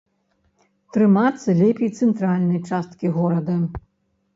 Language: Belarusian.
Трымацца лепей цэнтральнай часткі горада.